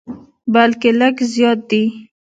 بلکې لږ زیات دي.